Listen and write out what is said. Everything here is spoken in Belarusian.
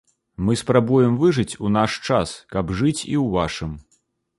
Мы спрабуем выжыць у наш час, каб жыць і ў вашым.